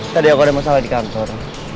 tadi aku ada masalah di kantor